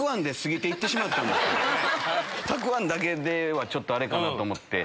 たくあんだけではちょっとあれかなと思って。